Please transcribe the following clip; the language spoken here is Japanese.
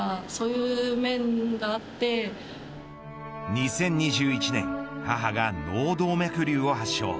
２０２１年母が脳動脈瘤を発症。